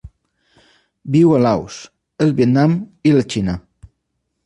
Viu a Laos, el Vietnam i la Xina.